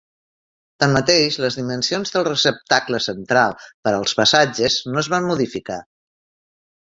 Tanmateix, les dimensions del receptacle central per als passatges no es van modificar.